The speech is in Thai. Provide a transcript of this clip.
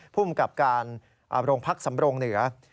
ภูมิกับการโรงพักสำรงเหนือ